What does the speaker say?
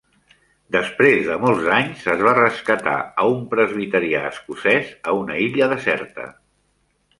Després de molts anys, es va rescatar a un presbiterià escocès a una illa deserta.